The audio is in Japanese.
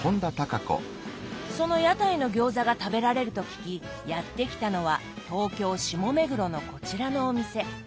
その屋台の餃子が食べられると聞きやって来たのは東京・下目黒のこちらのお店。